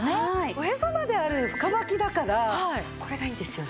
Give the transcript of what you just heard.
おへそまである深ばきだからこれがいいんですよね。